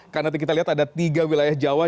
karena kita lihat ada tiga wilayah jawa